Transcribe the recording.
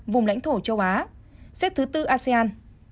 vùng lãnh thổ châu á xếp thứ bốn asean